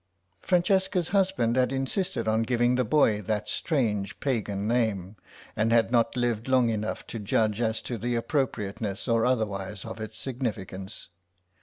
Francesca's husband had insisted on giving the boy that strange Pagan name, and had not lived long enough to judge as to the appropriateness, or otherwise, of its significance.